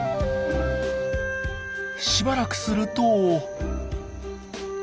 しばらくすると。